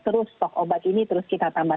terus stok obat ini terus kita tambah